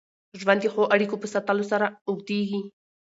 ژوند د ښو اړیکو په ساتلو سره اوږدېږي.